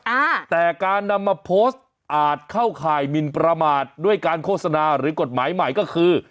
อ่าแต่การนำมาโพสต์อาจเข้าข่ายมินประมาทด้วยการโฆษณาหรือกฎหมายใหม่ก็คือ